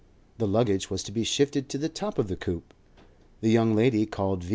The luggage was to be shifted to the top of the coupe, the young lady called V.